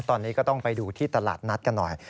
ตอนนี้ก็ต้องไปดูที่ตลาดนัดกันหน่อย